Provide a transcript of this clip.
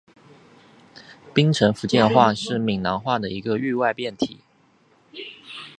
槟城福建话是闽南语的一个域外变体。